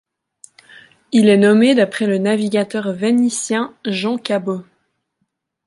Il est nommé d'après le navigateur vénitien Jean Cabot.